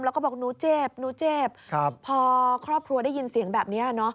แล้วก็บอกหนูเจ็บหนูเจ็บพอครอบครัวได้ยินเสียงแบบนี้